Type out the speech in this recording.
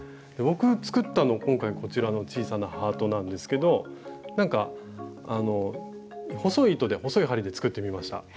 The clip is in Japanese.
僕作ったの今回こちらの小さなハートなんですけどなんか細い糸で細い針で作ってみました。